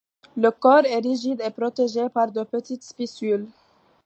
Le corps est rigide et protégé par de petites spicules.